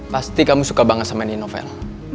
pasti kamu suka banget sama nih novel